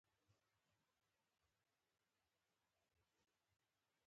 لعل د افغانستان د امنیت په اړه هم اغېز لري.